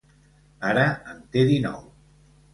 Ara en té dinou.